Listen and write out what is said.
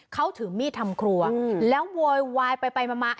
เขาถือมีดทำครัวแล้วโวยวายไปมา